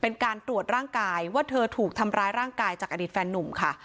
เป็นการตรวจร่างกายว่าเธอถูกทำร้ายร่างกายจากอดีตแฟนนุ่มค่ะ